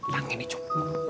banget nih cuk